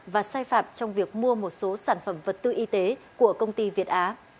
và sai phạm trong việc mua một số sản phẩm vật tư y tế của công ty việt á